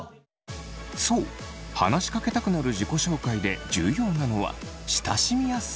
そう話しかけたくなる自己紹介で重要なのは親しみやすさ。